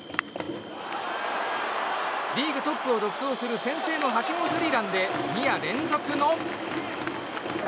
リーグトップを独走する先制の８号スリーランでばんざーい！